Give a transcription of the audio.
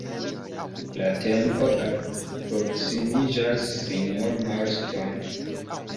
La tempo alproksimiĝas, sinjoro Marston.